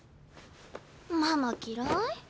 ママ嫌い？